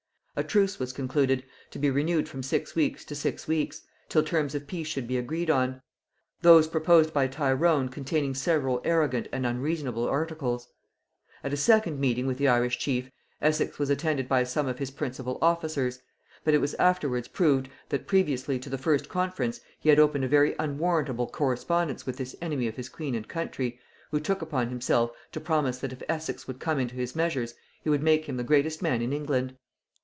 A truce was concluded, to be renewed from six weeks to six weeks, till terms of peace should be agreed on; those proposed by Tyrone containing several arrogant and unreasonable articles. At a second meeting with the Irish chief, Essex was attended by some of his principal officers; but it was afterwards proved that previously to the first conference, he had opened a very unwarrantable correspondence with this enemy of his queen and country, who took upon himself to promise that if Essex would come into his measures he would make him the greatest man in England.